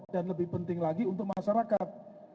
dan lebih penting lagi untuk masyarakat